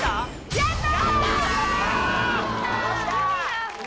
やった！